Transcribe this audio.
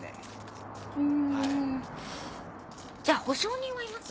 うんじゃあ保証人はいます？